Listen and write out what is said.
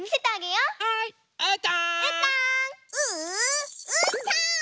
うーたん！